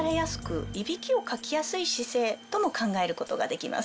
姿勢とも考えることができます。